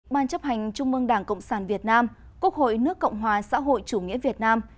ban chấp hành trung mương đảng cộng sản việt nam quốc hội nước cộng hòa xã hội chủ nghĩa việt nam